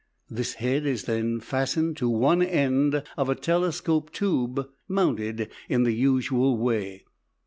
This head is then fastened to one end of a telescope tube mounted in the usual way.